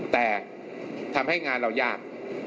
แต่ทำให้งานเรายาก